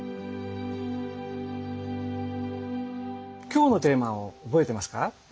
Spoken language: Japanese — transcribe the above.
今日のテーマを覚えてますか？